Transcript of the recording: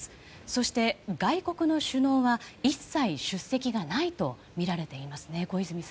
そして、外国の首脳は一切、出席がないとみられていますね。